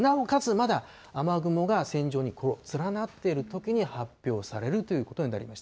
まだ雨雲が線状に連なってるときに発表されるということになります。